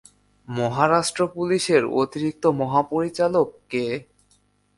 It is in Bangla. মহারাষ্ট্র পুলিশের অতিরিক্ত মহাপরিচালক কে?